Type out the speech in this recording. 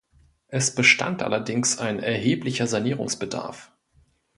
Es bestand allerdings ein erheblicher Sanierungsbedarf.